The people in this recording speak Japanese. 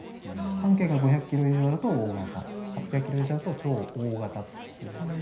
半径が５００ｋｍ以上だと大型８００ｋｍ以上だと超大型というんです。